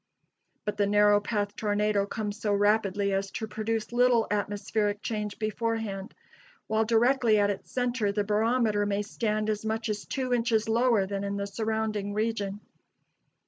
But the narrow path tornado comes so rapidly as to produce little atmospheric change beforehand; while directly at its center the barometer may stand as much as two inches lower than in the surrounding region.